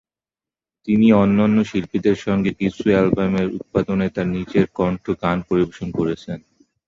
তিনি অন্যান্য শিল্পীদের সঙ্গে কিছু অ্যালবামের উৎপাদনে তার নিজের কণ্ঠে গান পরিবেশন করেছেন।